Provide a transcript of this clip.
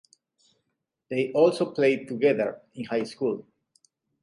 They also played together in high school.